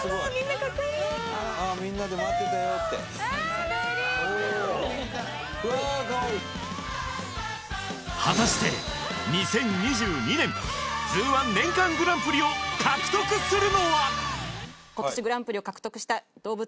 かわいい果たして２０２２年ＺＯＯ−１年間グランプリを獲得するのは？